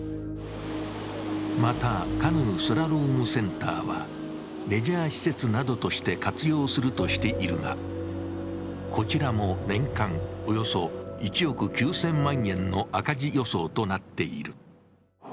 また、カヌー・スラロームセンターはレジャー施設などとして活用するとしているが、こちらも年間およそ１億９０００万円の赤字予想となっている。